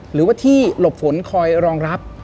หรือว่าที่หลบฝนคอยรองรับ